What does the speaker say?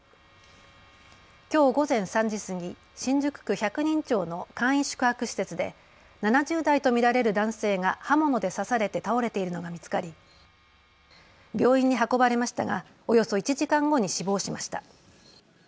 きょう午前３時過ぎ、新宿区百人町の簡易宿泊施設で７０代と見られる男性が刃物で刺されて倒れているのが見つかり病院に運ばれましたがおよそ１時間後に死亡しました。